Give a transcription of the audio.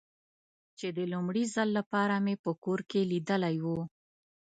چې د لومړي ځل له پاره مې په کور کې لیدلی و.